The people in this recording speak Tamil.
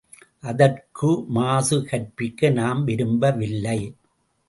அதற்கு மாசு கற்பிக்க நாம் விரும்பவில்லை!